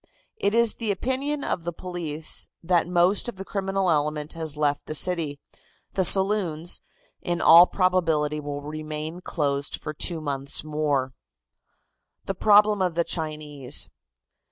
It is the opinion of the police that most of the criminal element has left the city. The saloons, in all probability will remain closed for two more months. THE PROBLEM OF THE CHINESE.